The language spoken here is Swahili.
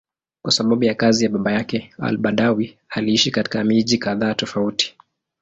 Kwa sababu ya kazi ya baba yake, al-Badawi aliishi katika miji kadhaa tofauti.